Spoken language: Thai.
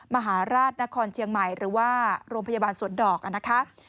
มหาราชนครเชียงใหม่หรือว่าโรงพยาบาลสวนดอกนะคะ